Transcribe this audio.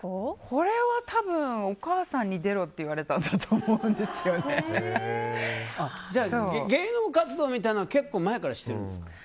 これは多分お母さんに出ろって言われたと芸能活動みたいなのは結構前からしているんですか？